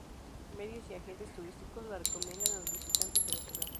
Medios y agentes turísticos la recomiendan a los visitantes de la ciudad.